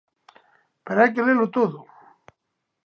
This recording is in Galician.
¡Pero hai que lelo todo!